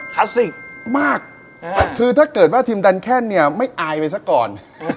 คลาสสิกมากคือถ้าเกิดว่าทีมดันแคนเนี่ยไม่อายไปซะก่อน